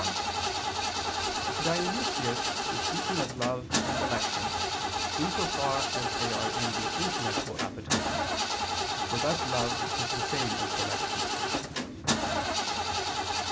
1: Dionysius is speaking of love and dilection, in so far as they are in the intellectual appetite; for thus love is the same as dilection.